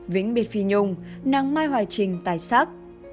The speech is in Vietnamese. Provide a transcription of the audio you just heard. vĩnh biệt phi nhung nàng mai hoài trinh tài sắc